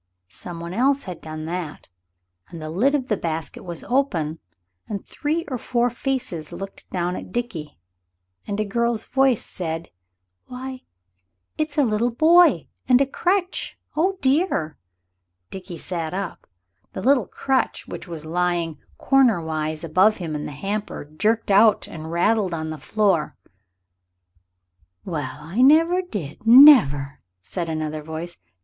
Some one else had done that, and the lid of the basket was open, and three or four faces looked down at Dickie, and a girl's voice said "Why, it's a little boy! And a crutch oh, dear!" Dickie sat up. The little crutch, which was lying corner wise above him in the hamper, jerked out and rattled on the floor. "Well, I never did never!" said another voice.